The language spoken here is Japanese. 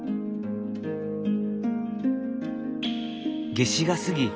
夏至が過ぎ